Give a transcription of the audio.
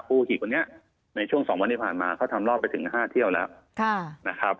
ผู้ขี่คนนี้ในช่วงสองวันที่ผ่านมาเขาทำรอบไปถึงห้าเที่ยวแล้ว